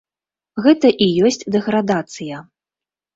Гэта і ёсць дэградацыя.